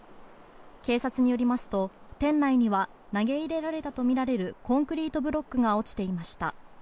警察によりますと、店内には投げ入れられたとみられるコンクリートブロックが落ちていました。